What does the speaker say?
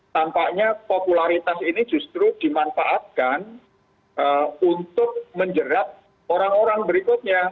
tampaknya popularitas ini justru dimanfaatkan untuk menjerat orang orang berikutnya